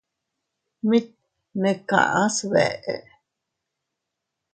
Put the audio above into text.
Mit ne kaʼa sbeʼe.